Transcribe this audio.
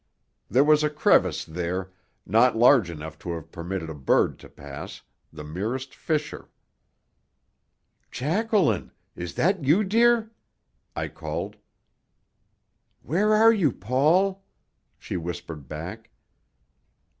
There was a crevice there, not large enough to have permitted a bird to pass the merest fissure. "Jacqueline! Is that you, dear?" I called. "Where are you, Paul?" she whispered back.